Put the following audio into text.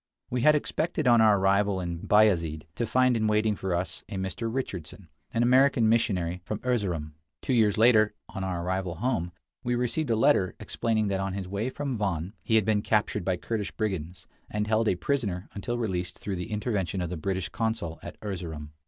We had expected, on our arrival in Bayazid, to find in waiting for us a Mr. Richardson, an American missionary from Erzerum. Two years later, on our arrival home, we received a letter explaining that on his way from Van he had been captured by Kurdish brigands, and held a prisoner until released through the intervention of the British consul at Erzerum.